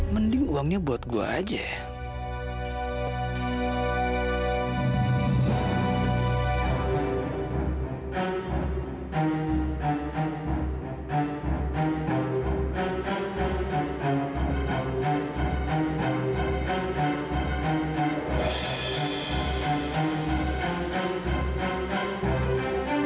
mending uangnya buat gua aja ya nggak